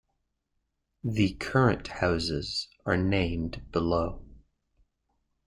The current houses are named below.